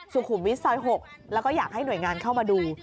สุขุมวิทย์ซอย๖แล้วก็อยากให้หน่วยงานเข้ามาดู